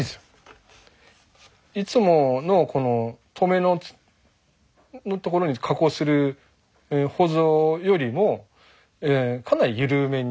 いつものこの留めの所に加工するほぞよりもかなり緩めに。